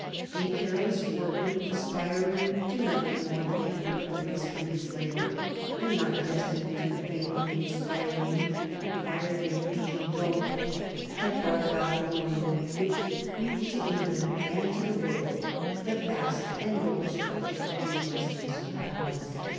A careless workman, aspiring to nothing more than a quick release from his labor, and not destined to the fame of the aspiring youth who fired the Ephesian dome, had brought about the ruin which bequeathed to England and to the world the vast and noble structure of Westminster Palace.